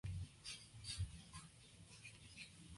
Disculpa cualquier inconveniente que te haya causado.